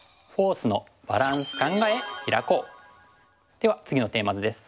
では次のテーマ図です。